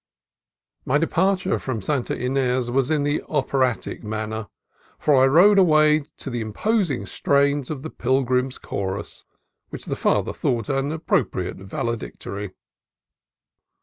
My departure from Santa Ines was in the operatic manner, for I rode away to the imposing strains of the "Pilgrims' Chorus," which the Father thought an appropriate valedictory.